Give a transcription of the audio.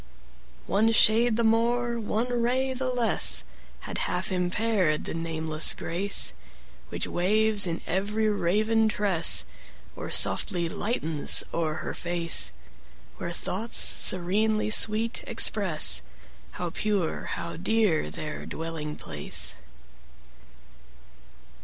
One shade the more, one ray the less, Had half impair'd the nameless grace Which waves in every raven tress, Or softly lightens o'er her face; 10 Where thoughts serenely sweet express How pure, how dear their dwelling place.